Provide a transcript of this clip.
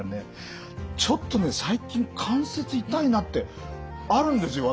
ちょっとね最近関節痛いなってあるんですよ